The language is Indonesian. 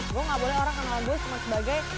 gue gak boleh orang kenal gue cuma sebagai